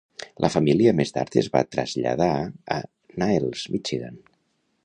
La família més tard es va traslladar a Niles, Michigan.